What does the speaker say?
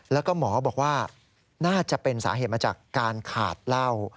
แล้วก็หมอบอกว่าน่าจะเป็นสาเหตุมาจากการขาดเหล้า